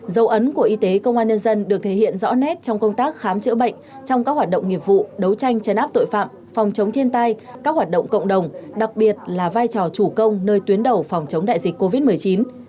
dấu ấn của y tế công an nhân dân được thể hiện rõ nét trong công tác khám chữa bệnh trong các hoạt động nghiệp vụ đấu tranh chấn áp tội phạm phòng chống thiên tai các hoạt động cộng đồng đặc biệt là vai trò chủ công nơi tuyến đầu phòng chống đại dịch covid một mươi chín